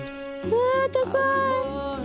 うわ高い！